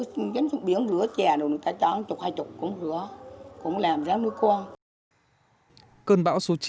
đến biển rửa chè rồi người ta chọn chục hai chục cũng rửa cũng làm rác nuôi con